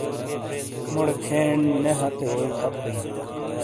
مُوڑے کھین نے ہتے اوئی کھپ بِیں۔